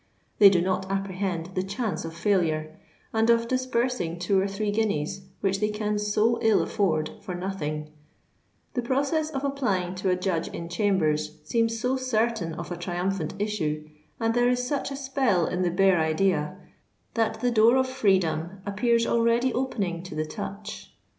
They do not apprehend the chance of failure, and of disbursing two or three guineas, which they can so ill afford, for nothing: the process of applying to a Judge in Chambers seems so certain of a triumphant issue, and there is such a spell in the bare idea, that the door of freedom appears already opening to the touch.